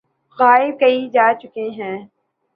غائب کئے جا چکے ہیں